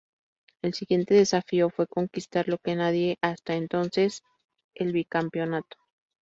El siguiente desafío fue conquistar lo que nadie hasta entonces: el bicampeonato.